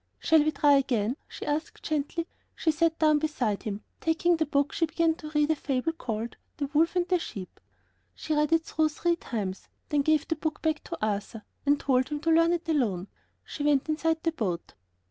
"Shall we try again?" she asked gently. She sat down beside him and, taking the book, she began to read the fable called "The Wolf and the Sheep." She read it through three times, then gave the book back to Arthur and told him to learn it alone. She went inside the boat.